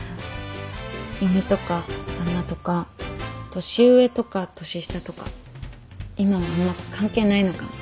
嫁とか旦那とか年上とか年下とか今はあんま関係ないのかも